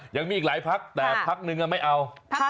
ยังมีอีกหลายพักแต่พักนึงไม่เอา